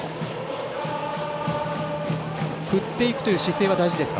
振っていくという姿勢は大事ですか？